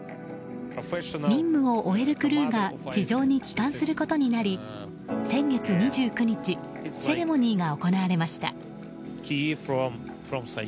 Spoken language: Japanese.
任務を終えるクルーが地上に帰還することになり先月２９日セレモニーが行われました。